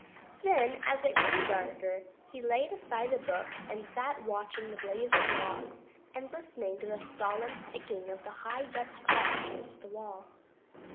Then, as it grew darker, he laid aside the book and sat watching the blazing logs and listening to the solemn ticking of the high Dutch clock against the wall.